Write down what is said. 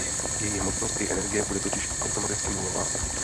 Její hmotnost i energie bude totiž automaticky nulová.